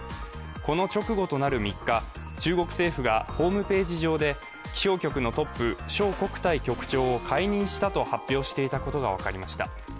この直後となる３日、中国政府がホームページ上で気象局のトップ庄国泰局長を解任したと発表していたことが分かりました。